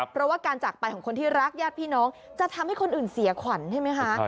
เพราะว่าการจากไปของคนที่รักญาติพี่น้องจะทำให้คนอื่นเสียขวัญใช่ไหมคะ